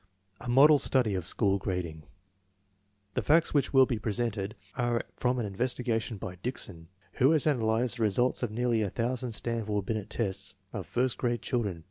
A model study of school grading. The facts which will be presented are from an investigation by Dickson, who has analyzed the results of nearly a thousand Stanford Binet tests of first grade children.